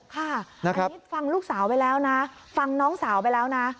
ค่ะอันนี้ฟังลูกสาวไปแล้วนะฟังน้องสาวไปแล้วนะ